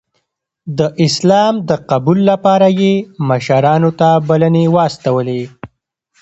د اسلام د قبول لپاره یې مشرانو ته بلنې واستولې.